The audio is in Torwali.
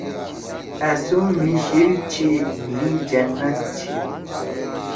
أ سُم مھی شیِر چھی مھی جنت چھی